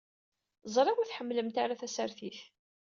Ẓriɣ ur tḥemmlemt ara tasertit.